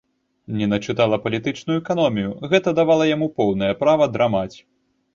Ніна чытала палітычную эканомію, гэта давала яму поўнае права драмаць.